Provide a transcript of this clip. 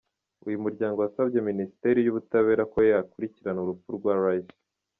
Uyu muryango wasabye Minisiteri y’Ubutabera ko yakurikirana urupfu rwa Rice.